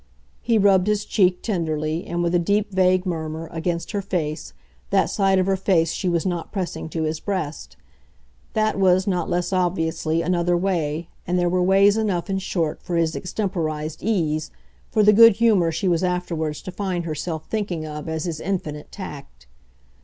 He rubbed his cheek, tenderly, and with a deep vague murmur, against her face, that side of her face she was not pressing to his breast. That was, not less obviously, another way, and there were ways enough, in short, for his extemporised ease, for the good humour she was afterwards to find herself thinking of as his infinite tact.